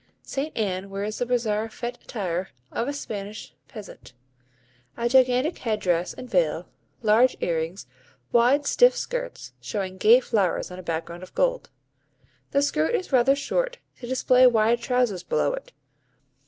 St. Anne wears the bizarre fête attire of a Spanish peasant; a gigantic head dress and veil, large earrings, wide stiff skirts, showing gay flowers on a background of gold. The skirt is rather short, to display wide trousers below it.